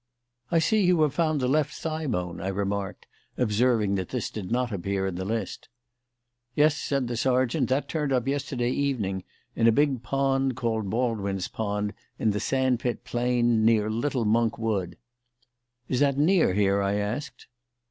"I see you have found the left thigh bone," I remarked, observing that this did not appear in the list. "Yes," said the sergeant; "that turned up yesterday evening in a big pond called Baldwin's Pond in the Sand pit plain, near Little Monk Wood." "Is that near here?" I asked.